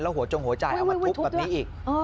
หัวจงหัวใจเอามาทุบแบบนี้อีก